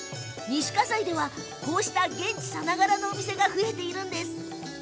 西葛西ではこうした現地さながらのお店が増えているんです。